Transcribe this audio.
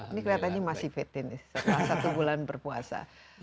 ini kelihatannya masih fetis setelah satu bulan berpuasa